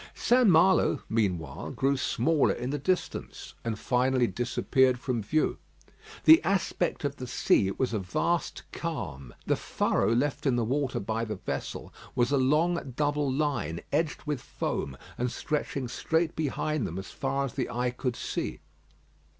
St. Malo, meanwhile, grew smaller in the distance, and finally disappeared from view. The aspect of the sea was a vast calm. The furrow left in the water by the vessel was a long double line edged with foam, and stretching straight behind them as far as the eye could see.